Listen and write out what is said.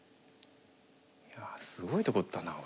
いやすごいとこ打ったな俺。